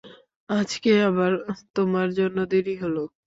আজকে আবার তোমার জন্য দেরি হলো।